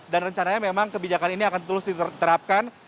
dan rencananya memang kebijakan ini akan terus diterapkan